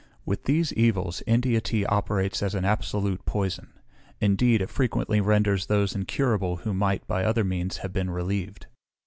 With these evils India tea operates as an absolute poison. Indeed, it frequently renders those incurable, who might, by other means, have been relieved.